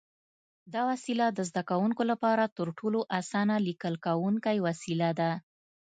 دا وسیله د زده کوونکو لپاره تر ټولو اسانه لیکل کوونکی وسیله ده.